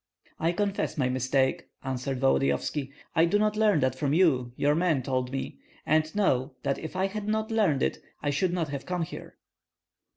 "I confess my mistake," answered Volodyovski. "I do not learn that from you; your men told me. And know that if I had not learned it I should not have come here."